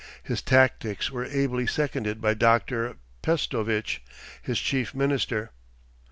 His tactics were ably seconded by Doctor Pestovitch, his chief minister.